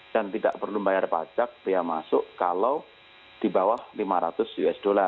dan tidak perlu bayar pajak dia masuk kalau di bawah lima ratus usd